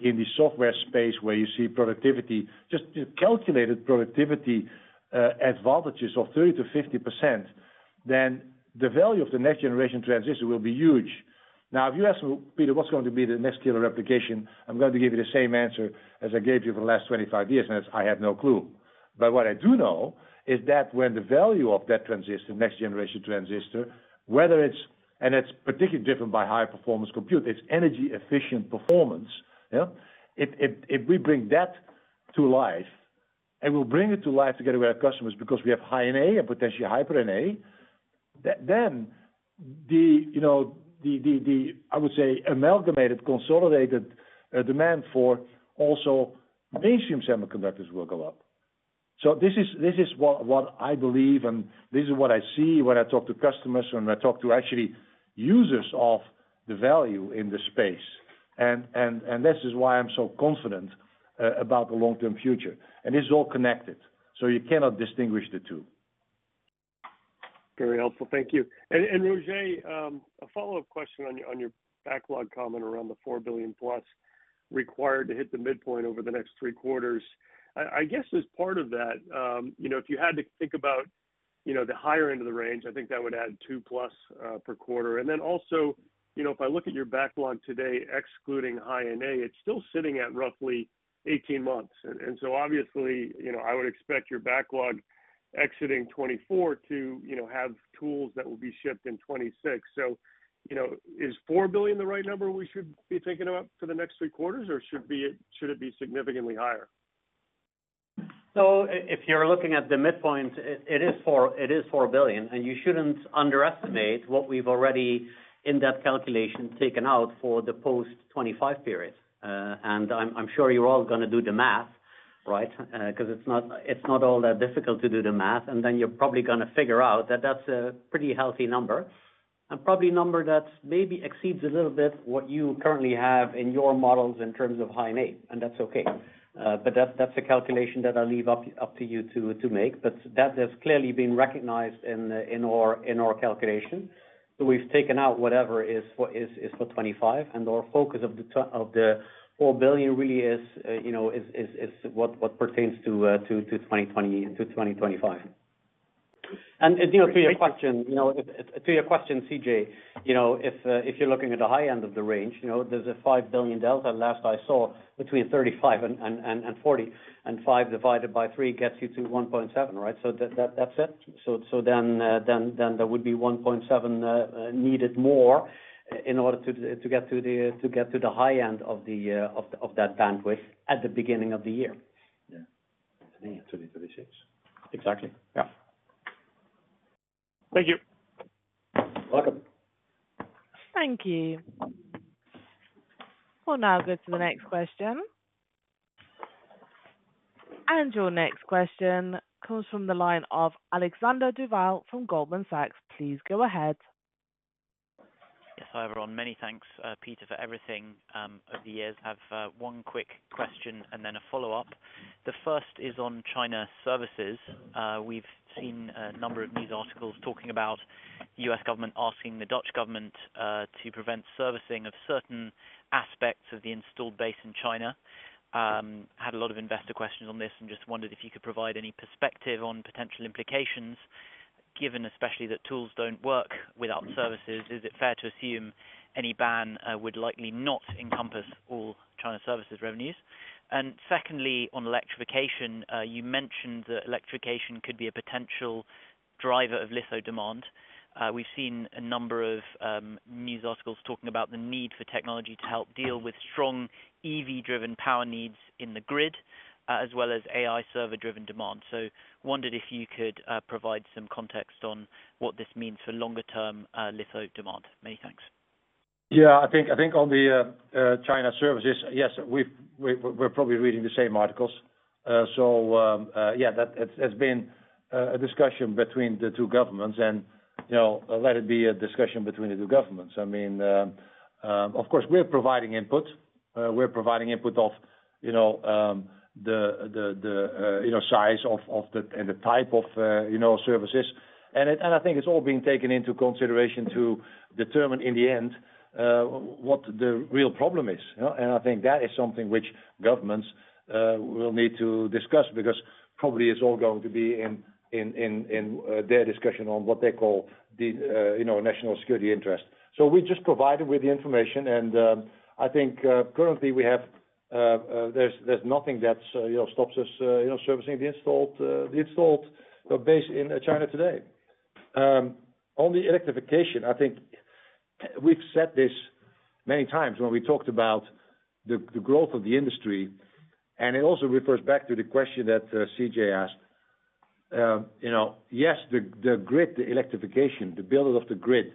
in the software space, where you see productivity, just calculated productivity, advantages of 30%-50%, then the value of the next generation transistor will be huge. Now, if you ask me, "Peter, what's going to be the next killer application? I'm going to give you the same answer as I gave you for the last 25 years, and it's, I have no clue. But what I do know is that when the value of that transistor, next generation transistor, whether it's and it's particularly different by high performance compute, it's energy efficient performance, yeah? If we bring that to life, and we'll bring it to life together with our customers, because we have high NA and potentially high NA, then the, you know, the I would say, amalgamated, consolidated demand for also mainstream semiconductors will go up. So this is what I believe, and this is what I see when I talk to customers, when I talk to actually users of the value in the space. And this is why I'm so confident about the long-term future. This is all connected, so you cannot distinguish the two. Very helpful. Thank you. And Roger, a follow-up question on your backlog comment around the 4 billion+ required to hit the midpoint over the next three quarters. I guess, as part of that, you know, if you had to think about the higher end of the range, I think that would add 2+ per quarter. And then also, you know, if I look at your backlog today, excluding High NA, it's still sitting at roughly 18 months. And so obviously, you know, I would expect your backlog exiting 2024 to have tools that will be shipped in 2026. So, you know, is 4 billion the right number we should be thinking about for the next three quarters, or should it be significantly higher? So if you're looking at the midpoint, it is 4 billion, and you shouldn't underestimate what we've already, in that calculation, taken out for the post-2025 period. And I'm sure you're all gonna do the math. Right? 'Cause it's not all that difficult to do the math, and then you're probably gonna figure out that that's a pretty healthy number, and probably a number that maybe exceeds a little bit what you currently have in your models in terms of High NA, and that's okay. But that's a calculation that I'll leave up to you to make. But that has clearly been recognized in our calculation. So we've taken out whatever is for 2025, and our focus of the to of the 4 billion really is, you know, is, is what what pertains to, to 2020 to 2025. And, you know, to your question, you know, to your question, CJ, you know, if, if you're looking at the high end of the range, you know, there's a 5 billion delta, last I saw, between 35 and 40, and 5 divided by 3 gets you to 1.7, right? So that, that's it. So, so then, then there would be 1.7 needed more in order to get to the high end of the of that bandwidth at the beginning of the year. Yeah. 2026. Exactly. Yeah. Thank you. Welcome. Thank you. We'll now go to the next question. Your next question comes from the line of Alexander Duval from Goldman Sachs. Please go ahead. Yes, hi, everyone. Many thanks, Peter, for everything, over the years. I have, one quick question and then a follow-up. The first is on China services. We've seen a number of news articles talking about U.S. government asking the Dutch government, to prevent servicing of certain aspects of the installed base in China. Had a lot of investor questions on this and just wondered if you could provide any perspective on potential implications, given especially that tools don't work without services. Is it fair to assume any ban, would likely not encompass all China services revenues? And secondly, on electrification, you mentioned that electrification could be a potential driver of litho demand. We've seen a number of news articles talking about the need for technology to help deal with strong EV-driven power needs in the grid, as well as AI server-driven demand. Wondered if you could provide some context on what this means for longer-term litho demand? Many thanks. Yeah, I think on the China services, yes, we're probably reading the same articles. So, yeah, that... It's been a discussion between the two governments and, you know, let it be a discussion between the two governments. I mean, of course, we're providing input. We're providing input of, you know, the size of the, and the type of, you know, services. And it, and I think it's all being taken into consideration to determine in the end, what the real problem is, you know? And I think that is something which governments will need to discuss, because probably it's all going to be in their discussion on what they call the, you know, national security interest. So we just provided with the information, and, I think, currently we have, there's nothing that, you know, stops us, you know, servicing the installed base in China today. On the electrification, I think we've said this many times when we talked about the growth of the industry, and it also refers back to the question that, CJ asked. You know, yes, the grid, the electrification, the build of the grid,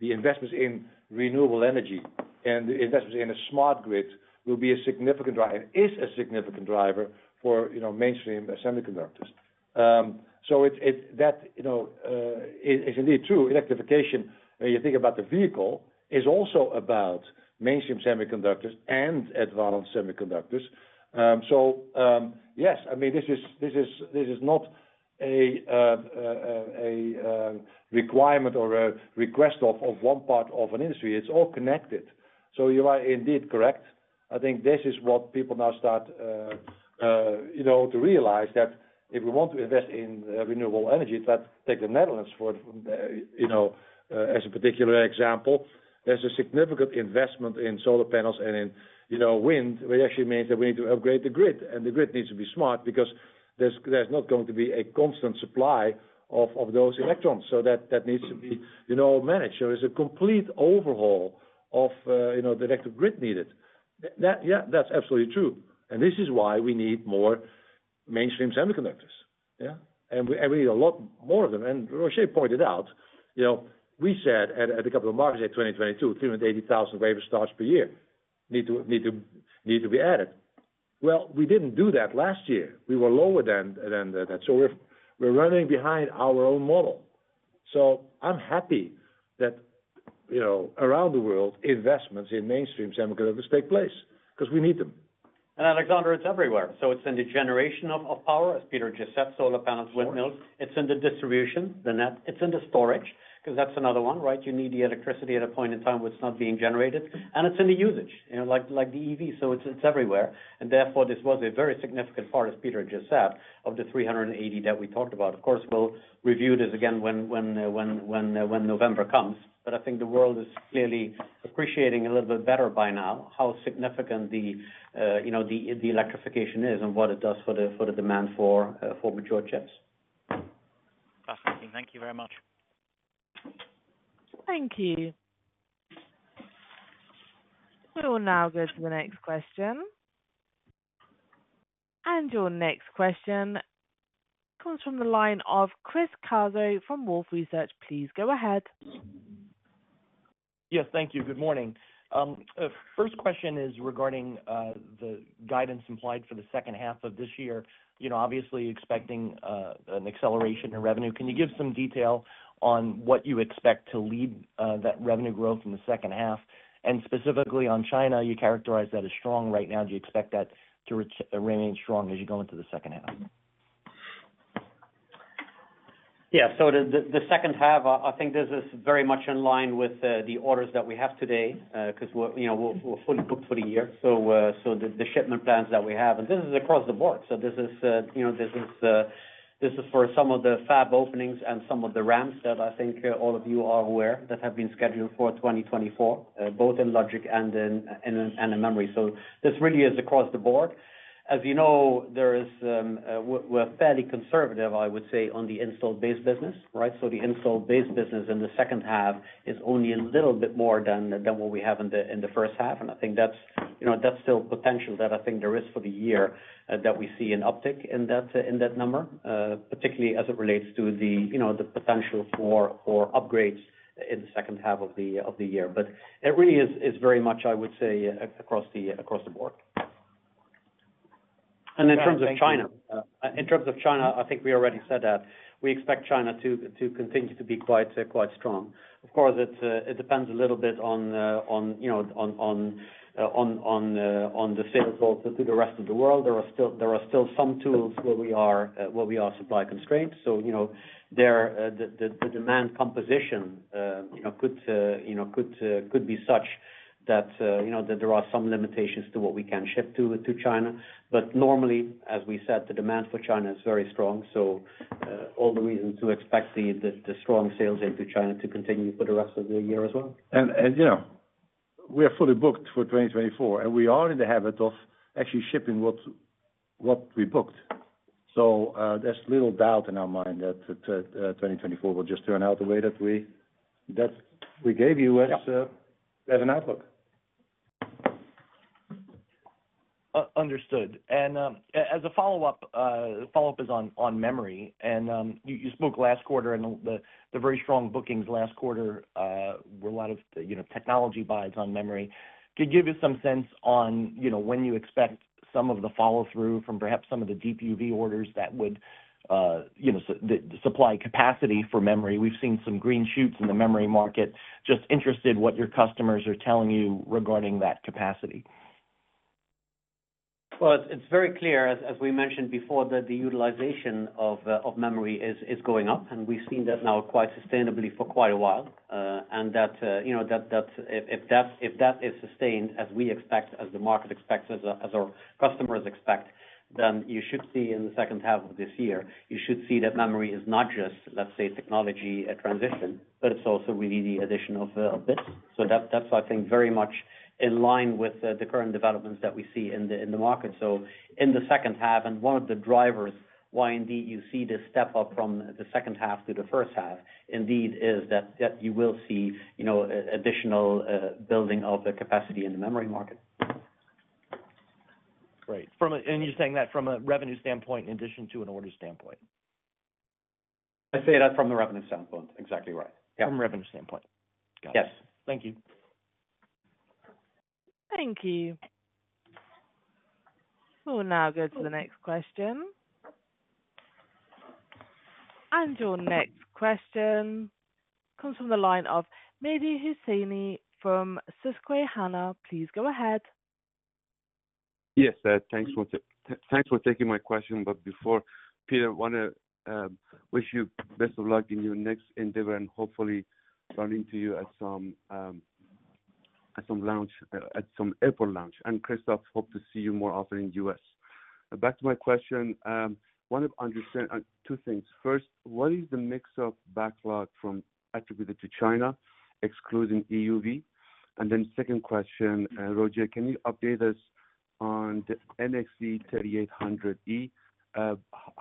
the investments in renewable energy and the investments in a smart grid will be a significant driver, is a significant driver for, you know, mainstream semiconductors. So it, it... That, you know, is, is indeed true. Electrification, when you think about the vehicle, is also about mainstream semiconductors and advanced semiconductors. So, yes, I mean, this is not a requirement or a request of one part of an industry. It's all connected. So you are indeed correct. I think this is what people now start, you know, to realize that if we want to invest in renewable energy, let's take the Netherlands for, you know, as a particular example. There's a significant investment in solar panels and in, you know, wind, which actually means that we need to upgrade the grid, and the grid needs to be smart because there's not going to be a constant supply of those electrons, so that needs to be, you know, managed. There is a complete overhaul of, you know, the electric grid needed. That, yeah, that's absolutely true, and this is why we need more mainstream semiconductors, yeah? And we need a lot more of them. And Roger pointed out, you know, we said at the Capital Markets Day 2022, 380,000 wafer starts per year need to be added. Well, we didn't do that last year. We were lower than that. So we're running behind our own model. So I'm happy that, you know, around the world, investments in mainstream semiconductors take place, 'cause we need them. Alexander, it's everywhere. So it's in the generation of power, as Peter just said, solar panels, windmills. It's in the distribution, the net. It's in the storage, 'cause that's another one, right? You need the electricity at a point in time when it's not being generated. And it's in the usage, you know, like, like the EV. So it's everywhere, and therefore, this was a very significant part, as Peter just said, of the 380 that we talked about. Of course, we'll review this again when November comes, but I think the world is clearly appreciating a little bit better by now, how significant the, you know, the electrification is and what it does for the demand for mature chips. Fascinating. Thank you very much. Thank you. We will now go to the next question. Your next question comes from the line of Chris Caso from Wolfe Research. Please go ahead.... Yes, thank you. Good morning. First question is regarding the guidance implied for the H2 of this year. You know, obviously expecting an acceleration in revenue. Can you give some detail on what you expect to lead that revenue growth in the H2? And specifically on China, you characterize that as strong right now. Do you expect that to remain strong as you go into the H2? Yeah. So the H2, I think this is very much in line with the orders that we have today, because we're, you know, we're fully booked for the year. So the shipment plans that we have, and this is across the board. So this is, you know, this is for some of the fab openings and some of the ramps that I think all of you are aware that have been scheduled for 2024, both in logic and in memory. So this really is across the board. As you know, there is, we're fairly conservative, I would say, on the installed base business, right? So the installed base business in the H2 is only a little bit more than what we have in the H1, and I think that's, you know, that's still potential that I think there is for the year, that we see an uptick in that number, particularly as it relates to the, you know, the potential for upgrades in the H2 of the year. But it really is very much, I would say, across the board. Yeah, thank you. And in terms of China, in terms of China, I think we already said that we expect China to continue to be quite, quite strong. Of course, it depends a little bit on, you know, on the sales also to the rest of the world. There are still some tools where we are supply constrained. So, you know, the demand composition, you know, could be such that, you know, that there are some limitations to what we can ship to China. But normally, as we said, the demand for China is very strong, so, all the reason to expect the strong sales into China to continue for the rest of the year as well. You know, we are fully booked for 2024, and we are in the habit of actually shipping what we booked. There's little doubt in our mind that 2024 will just turn out the way that we gave you- Yeah... as, as an outlook. Understood. And, as a follow-up, follow-up is on memory. And, you spoke last quarter, and the very strong bookings last quarter were a lot of, you know, technology buys on memory. Could you give us some sense on, you know, when you expect some of the follow-through from perhaps some of the DUV orders that would, you know, the supply capacity for memory? We've seen some green shoots in the memory market. Just interested what your customers are telling you regarding that capacity. Well, it's very clear, as we mentioned before, that the utilization of memory is going up, and we've seen that now quite sustainably for quite a while. And that, you know, that's... If that is sustained, as we expect, as the market expects, as our customers expect, then you should see in the H2 of this year, you should see that memory is not just, let's say, technology transition, but it's also really the addition of this. So that's, I think, very much in line with the current developments that we see in the market. So in the H2, and one of the drivers why indeed you see this step-up from the H2 to the H1, indeed, is that, that you will see, you know, additional building of the capacity in the memory market. Great. And you're saying that from a revenue standpoint, in addition to an order standpoint? I say that from the revenue standpoint. Exactly right. Yeah. From a revenue standpoint. Got it. Yes. Thank you. Thank you. We'll now go to the next question. Your next question comes from the line of Mehdi Hosseini from Susquehanna. Please go ahead. Yes, thanks for taking my question. But before, Peter, I wanna wish you best of luck in your next endeavor, and hopefully run into you at some lounge, at some airport lounge. And Christophe, hope to see you more often in US. Back to my question, wanted to understand two things. First, what is the mix of backlog from attributed to China, excluding EUV? And then second question, Roger, can you update us on the NXE:3800E?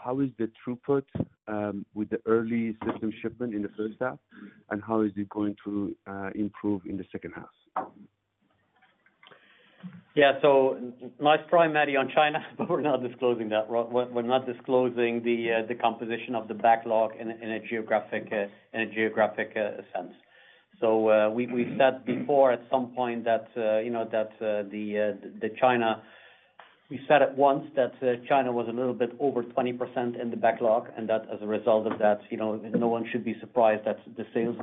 How is the throughput with the early system shipment in the H1, and how is it going to improve in the H2? Yeah. So nice try, Mehdi, on China, but we're not disclosing that. We're not disclosing the composition of the backlog in a geographic sense. So, we've said before at some point that, you know, the China... We said it once, that, China was a little bit over 20% in the backlog, and that as a result of that, you know, no one should be surprised that the sales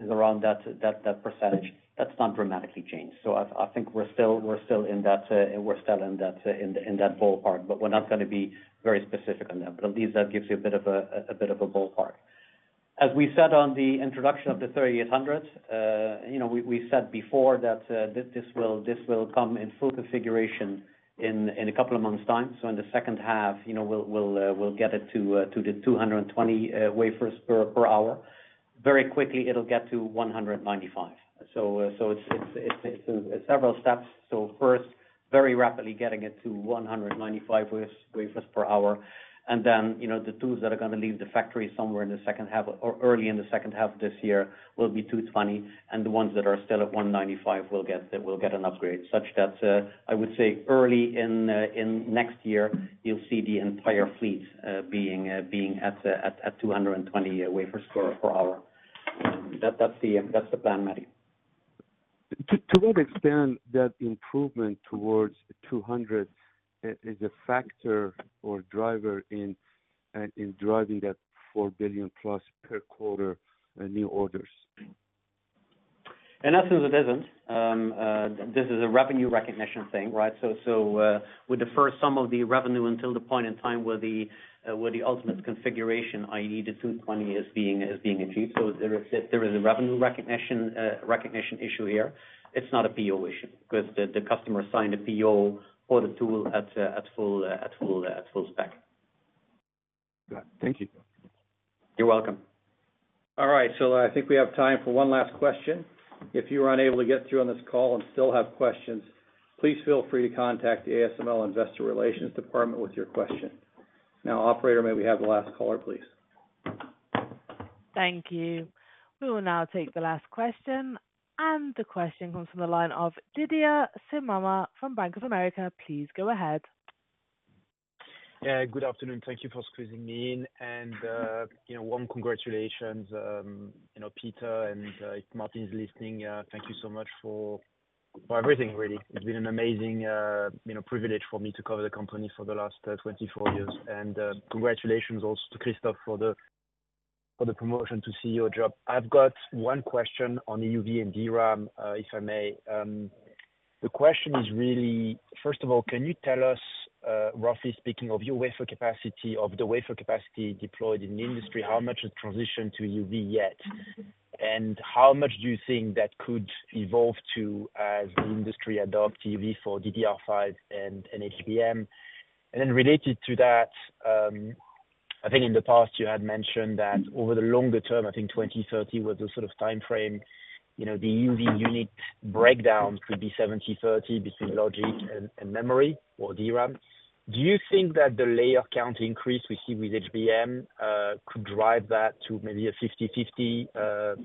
is around that percentage. That's not dramatically changed. So I think we're still in that ballpark, but we're not gonna be very specific on that. But at least that gives you a bit of a ballpark. As we said on the introduction of the 3800, you know, we said before that this will come in full configuration in a couple of months' time. So in the H2, you know, we'll get it to the 220 wafers per hour. Very quickly, it'll get to 195. So it's several steps. So first, very rapidly getting it to 195 wafers per hour. And then, you know, the tools that are gonna leave the factory somewhere in the H2 or early in the H2 of this year will be 220, and the ones that are still at 195 will get an upgrade, such that I would say early in next year, you'll see the entire fleet being at 220 wafers per hour. That's the plan, Mehdi.... To what extent that improvement towards 200 is a factor or driver in driving that 4 billion plus per quarter new orders? In essence, it isn't. This is a revenue recognition thing, right? So we defer some of the revenue until the point in time where the ultimate configuration, i.e., the 220 is being achieved. So there is a revenue recognition issue here. It's not a PO issue, 'cause the customer signed a PO for the tool at full spec. Got it. Thank you. You're welcome. All right, so I think we have time for one last question. If you are unable to get through on this call and still have questions, please feel free to contact the ASML Investor Relations Department with your question. Now, operator, may we have the last caller, please? Thank you. We will now take the last question, and the question comes from the line of Didier Scemama from Bank of America. Please go ahead. Yeah, good afternoon. Thank you for squeezing me in. And, you know, warm congratulations, you know, Peter, and, if Martin is listening, thank you so much for, for everything really. It's been an amazing, you know, privilege for me to cover the company for the last 24 years. And, congratulations also to Christophe for the, for the promotion to CEO job. I've got one question on EUV and DRAM, if I may. The question is really, first of all, can you tell us, roughly speaking of your wafer capacity, of the wafer capacity deployed in the industry, how much it transitioned to EUV yet? And how much do you think that could evolve to as the industry adopt EUV for DDR5 and, and HBM? Then related to that, I think in the past you had mentioned that over the longer term, I think 2030 was the sort of timeframe, you know, the EUV usage breakdown could be 70/30 between logic and, and memory or DRAM. Do you think that the layer count increase we see with HBM could drive that to maybe a 50/50,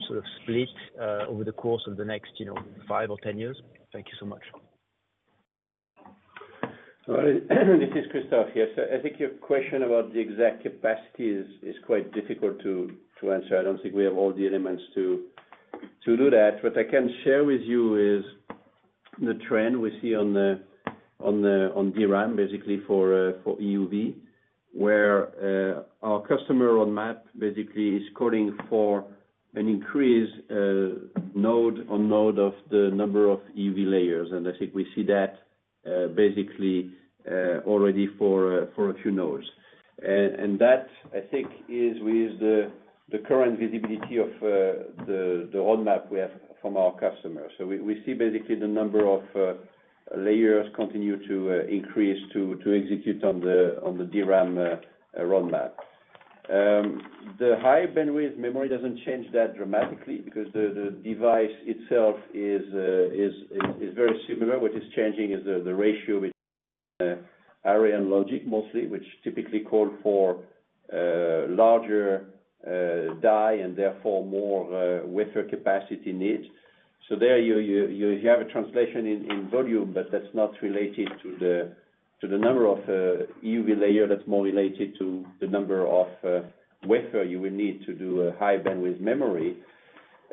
sort of split, over the course of the next, you know, 5 or 10 years? Thank you so much. So, this is Christophe here. I think your question about the exact capacity is quite difficult to answer. I don't think we have all the elements to do that. What I can share with you is the trend we see on the DRAM, basically, for EUV, where our customer roadmap basically is calling for an increased node on node of the number of EUV layers. And I think we see that, basically, already for a few nodes. And that, I think, is with the current visibility of the roadmap we have from our customers. So we see basically the number of layers continue to increase to execute on the DRAM roadmap. The high-bandwidth memory doesn't change that dramatically because the device itself is very similar. What is changing is the ratio between array and logic, mostly, which typically call for larger die and therefore more wafer capacity needs. So there you have a translation in volume, but that's not related to the number of EUV layer, that's more related to the number of wafer you would need to do a high-bandwidth memory.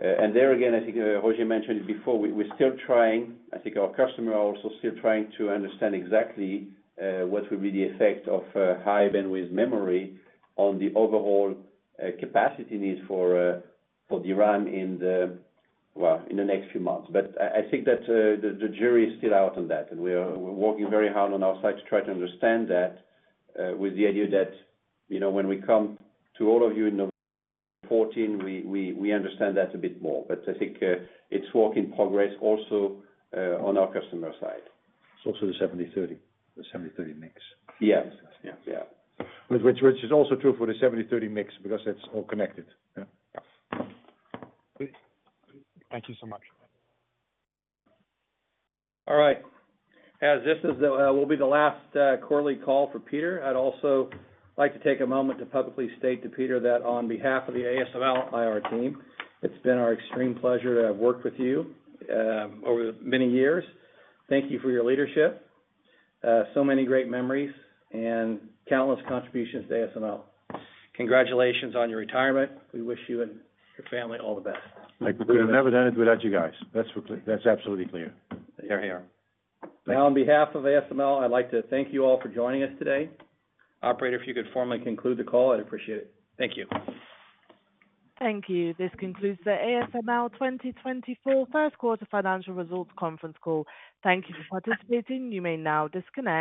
And there again, I think Roger mentioned before, we're still trying... I think our customer are also still trying to understand exactly what will be the effect of high-bandwidth memory on the overall capacity needs for DRAM in the next few months. But I think that the jury is still out on that, and we're working very hard on our side to try to understand that, with the idea that, you know, when we come to all of you on the 14, we understand that a bit more. But I think it's work in progress also on our customer side. It's also the 70/30. The 70/30 mix. Yes. Yes. Yeah. Which is also true for the 70/30 mix, because that's all connected. Yeah. Thank you so much. All right. As this is the will be the last quarterly call for Peter, I'd also like to take a moment to publicly state to Peter that on behalf of the ASML IR team, it's been our extreme pleasure to have worked with you over the many years. Thank you for your leadership. So many great memories and countless contributions to ASML. Congratulations on your retirement. We wish you and your family all the best. Thank you. We would have never done it without you guys. That's clear. That's absolutely clear. Hear, hear. Now, on behalf of ASML, I'd like to thank you all for joining us today. Operator, if you could formally conclude the call, I'd appreciate it. Thank you. Thank you. This concludes the ASML 20241Q financial results conference call. Thank you for participating. You may now disconnect.